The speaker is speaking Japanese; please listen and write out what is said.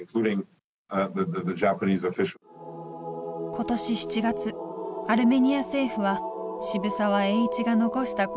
今年７月アルメニア政府は渋沢栄一が残した功績をたたえ